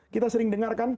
kita sering dengarkan